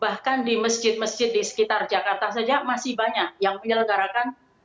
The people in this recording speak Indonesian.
bahkan di masjid masjid di sekitar jakarta saja masih banyak yang menyelenggarakan